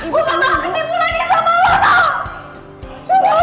gue gak mau ketipu lagi sama lo nong